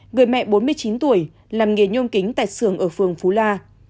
người mẹ bốn mươi chín tuổi làm nghề nhôm kính tại xưởng ở phường phú la